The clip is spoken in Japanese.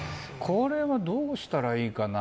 これはどうしたらいいかな。